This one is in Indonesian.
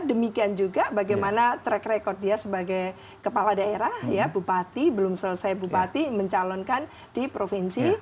demikian juga bagaimana track record dia sebagai kepala daerah ya bupati belum selesai bupati mencalonkan di provinsi